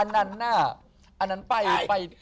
อันนั้นน่ะอันนั้นไป